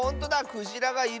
クジラがいる！